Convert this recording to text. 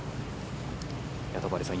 戸張さん